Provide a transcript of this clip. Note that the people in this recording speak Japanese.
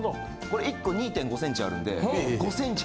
これ１個２．５ｃｍあるんで。